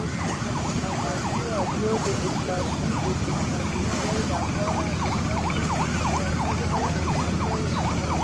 ازادي راډیو د اطلاعاتی تکنالوژي لپاره د مرستو پروګرامونه معرفي کړي.